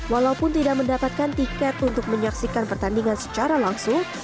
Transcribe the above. walaupun tidak mendapatkan tiket untuk menyaksikan pertandingan secara langsung